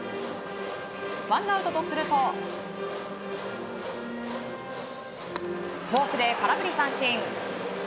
ワンアウトとするとフォークで空振り三振。